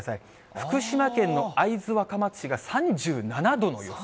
福島県の会津若松市が３７度の予想。